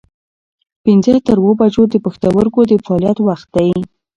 پنځه تر اووه بجو د پښتورګو د فعالیت وخت دی.